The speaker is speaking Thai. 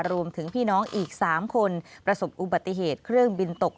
รวมถึงพี่น้องอีก๓คนประสบอุบัติเหตุเครื่องบินตก